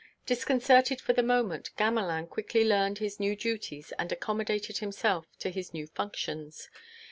Disconcerted for the moment, Gamelin quickly learned his new duties and accommodated himself to his new functions.